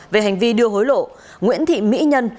về hành vi đưa hối lộ nguyễn thị mỹ nhân